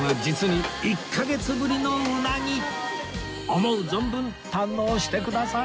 思う存分堪能してください！